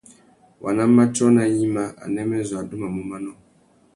Waná matiō nà gnïmá, anêmê zu adumamú manô.